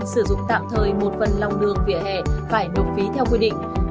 sử dụng tạm thời một phần lòng đường vỉa hè phải nộp phí theo quy định